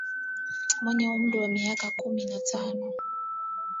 mwenye umri wa miaka kumi na tano